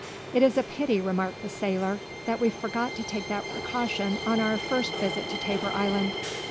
"It is a pity," remarked the sailor, "that we forgot to take that precaution on our first visit to Tabor Island."